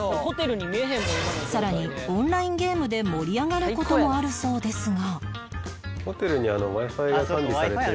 さらにオンラインゲームで盛り上がる事もあるそうですが